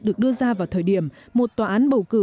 được đưa ra vào thời điểm một tòa án bầu cử